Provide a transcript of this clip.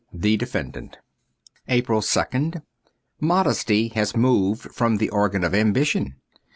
' The Defendant.' APRIL 2nd MODESTY has moved from the organ of ambition.